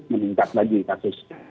meningkat lagi kasusnya